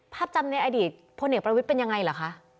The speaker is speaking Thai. ภาพจำในอดีตพลเอกประวิทย์เป็นยังไงเหรอคะ